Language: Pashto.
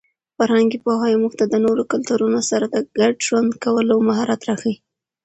فرهنګي پوهاوی موږ ته د نورو کلتورونو سره د ګډ ژوند کولو مهارت راښيي.